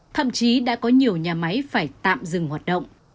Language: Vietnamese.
thậm chí đã có nhiều nhà máy phải tạm giảm